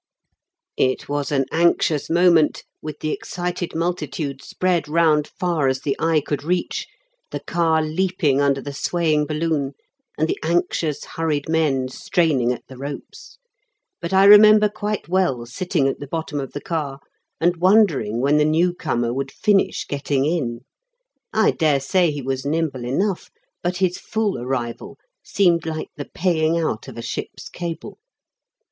It was an anxious moment, with the excited multitude spread round far as the eye could reach, the car leaping under the swaying balloon, and the anxious, hurried men straining at the ropes. But I remember quite well sitting at the bottom of the car and wondering when the new comer would finish getting in. I dare say he was nimble enough, but his full arrival seemed like the paying out of a ship's cable.